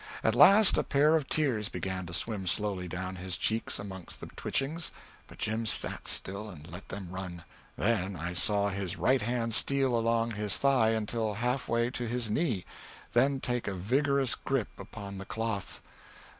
At last a pair of tears began to swim slowly down his cheeks amongst the twitchings, but Jim sat still and let them run; then I saw his right hand steal along his thigh until half way to his knee, then take a vigorous grip upon the cloth.